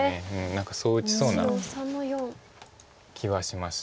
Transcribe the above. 何かそう打ちそうな気はしました。